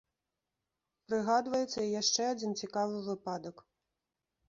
Прыгадваецца і яшчэ адзін цікавы выпадак.